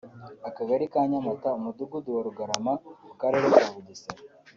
akagari ka Nyamata umudugudu wa Rugarama mu karere ka Bugesera